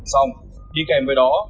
xong đi kèm với đó